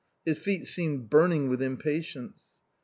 His feet seemed burning with impatience.